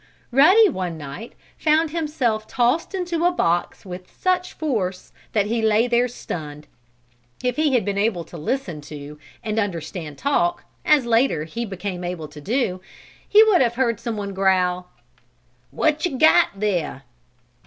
Ruddy, one night, found himself tossed into a box with such force that he lay there stunned. If he had been able to listen to, and understand talk, as, later he came to be able to do, he would have heard someone growl: "What you got there?"